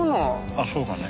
あそうかね。